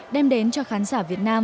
đem đến cho khán giả việt nam